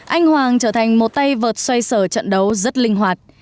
anh hoàng trở thành một tay vợt xoay sở trận đấu rất linh hoạt